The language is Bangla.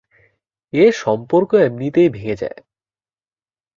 এ সম্পর্ক এমনিতেই ভেঙ্গে যায়।